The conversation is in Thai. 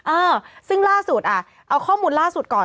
เออซึ่งล่าสุดอ่ะเอาข้อมูลล่าสุดก่อน